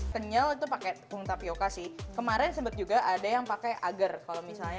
kenyal itu pakai tepung tapioca sih kemarin sempat juga ada yang pakai agar kalau misalnya